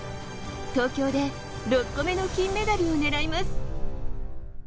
東京で６個目の金メダルを狙います。